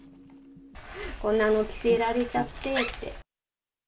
こんなの着せられちゃってって。